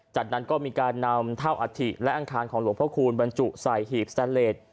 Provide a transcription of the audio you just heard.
จากนั้นก็มีการนำเท่าอัฐิและอังคารของหลวงพระคูณบรรจุใส่หีบสแตนเลส